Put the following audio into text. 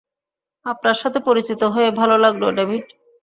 আপনার সাথে পরিচিত হয়ে ভালো লাগলো, ডেভিড।